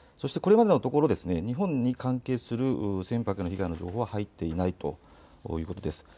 これまでのところ日本に関係する船舶への被害の情報は入っていないということです。